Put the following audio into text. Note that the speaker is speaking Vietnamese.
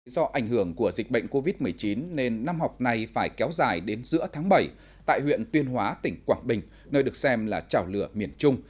do ảnh hưởng của dịch bệnh covid một mươi chín nên năm học này phải kéo dài đến giữa tháng bảy tại huyện tuyên hóa tỉnh quảng bình nơi được xem là chảo lửa miền trung